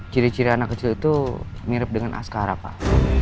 ciri ciri anak kecil itu mirip dengan askara pak